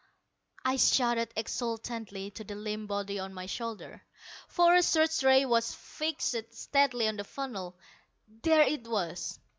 I shouted exultantly to the limp body on my shoulder. For a search ray was fixed steadily on the funnel. There it was.